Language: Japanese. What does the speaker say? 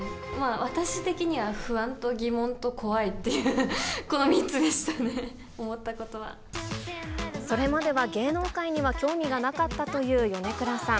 私的には不安と疑問と怖いっていう、この３つでしたね、思ったこそれまでは芸能界には興味がなかったという米倉さん。